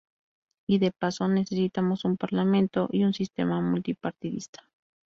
Y, de paso, necesitamos un parlamento y un sistema multipartidista.